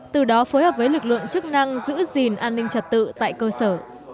từ đó phối hợp với lực lượng chức năng giữ gìn an ninh trật tự tại cơ sở